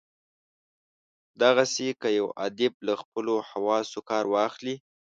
دغسي که یو ادیب له خپلو حواسو کار واخلي.